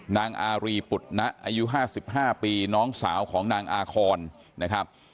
นางอารีปุฏณะอายุ๕๕ปีน้องสาวของนางอาคอนนะครับ